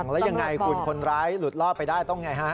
แล้วยังไงคุณคนร้ายหลุดรอดไปได้ต้องไงฮะ